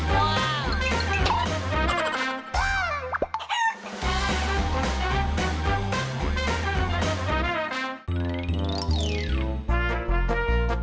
ว้าว